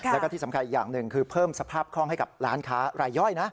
แล้วก็ที่สำคัญอีกอย่างหนึ่งคือเพิ่มสภาพคล่องให้กับร้านค้ารายย่อยนะ